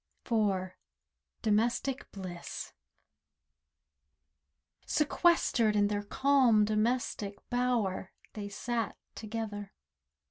DOMESTIC BLISS IV Sequestered in their calm domestic bower, They sat together.